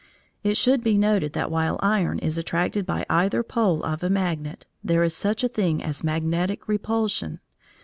It should be noted that while iron is attracted by either pole of a magnet, there is such a thing as magnetic repulsion.